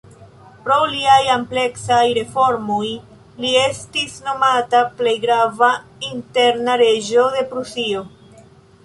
Pro liaj ampleksaj reformoj li estis nomata "plej grava interna reĝo de Prusio".